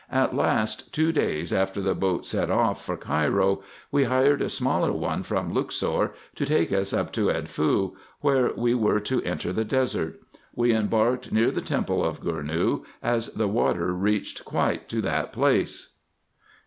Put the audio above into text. At last, two days after the boat set off for Cairo, we hired a smaller one from Luxor, to take us up to Edfu, where we were to enter the desert. We embarked near the temple of Gour nou, as the water reached quite to that place.